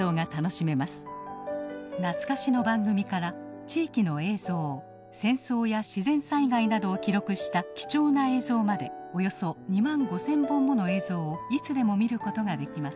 懐かしの番組から地域の映像戦争や自然災害などを記録した貴重な映像までおよそ２万５，０００本もの映像をいつでも見ることができます。